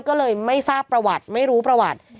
ก็เลยไม่ทราบประวัติไม่รู้ประวัติ